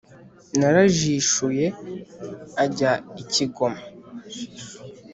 narajishuye ajya i kigoma,